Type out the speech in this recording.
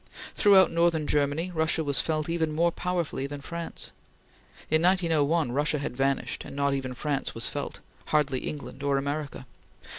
Throughout northern Germany, Russia was felt even more powerfully than France. In 1901 Russia had vanished, and not even France was felt; hardly England or America.